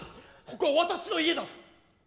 ここは私の家だぞ。